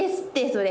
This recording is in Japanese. それ。